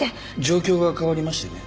状況が変わりましてね。